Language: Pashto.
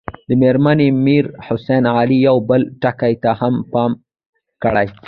مېرمن میر حسن علي یو بل ټکي ته هم پام کړی.